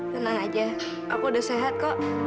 tenang aja aku udah sehat kok